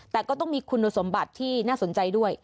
แต่ก็ต้องมีคุณสมบัติที่น่าสนใจด้วย